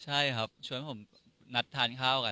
ใช่ครับชวนผมนัดทานข้าวกัน